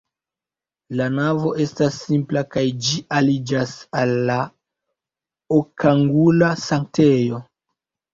La navo estas simpla kaj ĝi aliĝas al la okangula sanktejo.